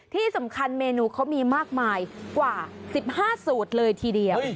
เมนูเขามีมากมายกว่า๑๕สูตรเลยทีเดียว